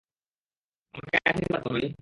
আমাকে আশীর্বাদ দাও নানি।